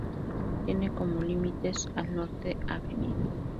Tiene como límites al Norte Av.